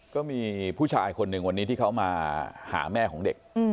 ก็มีผู้ชายคนหนึ่งวันนี้ที่เขามาหาแม่ของเด็ก